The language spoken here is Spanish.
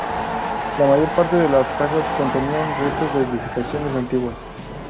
La mayor parte de las casas contenían restos de edificaciones antiguas.